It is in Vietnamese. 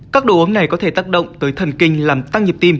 các đồ uống này có thể tác động tới thần kinh làm tăng nhịp tim